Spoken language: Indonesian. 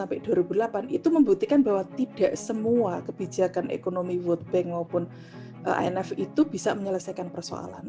itu membuktikan bahwa tidak semua kebijakan ekonomi world bank maupun anf itu bisa menyelesaikan persoalan